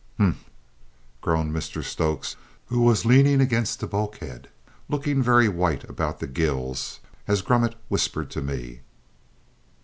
"Humph!" groaned Mr Stokes, who was leaning against the bulkhead, "looking very white about the gills," as Grummet whispered to me.